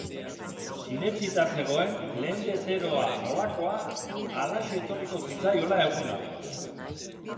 Sinetsita zegoen lehen bezeroa nolakoa, halaxe etorriko zitzaiola eguna.